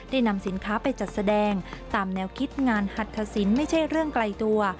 นำสินค้าไปจัดแสดงตามแนวคิดงานหัตถสินไม่ใช่เรื่องไกลตัว